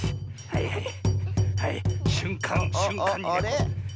はい！